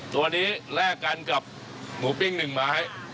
ตัวนี้แลกกันกับหมูปิ้ง๑ไม้